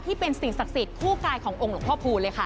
สิ่งศักดิ์สิทธิ์คู่กายขององค์หลวงพ่อพูนเลยค่ะ